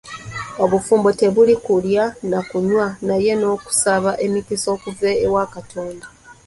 Obufumbo tebuli ku kulya na kunywa naye n'okusaba emikisa okuva ewa Katonda.